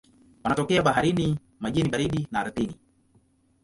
Wanatokea baharini, majini baridi na ardhini.